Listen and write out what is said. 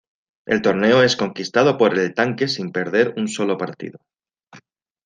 El torneo es conquistado por El Tanque sin perder un sólo partido.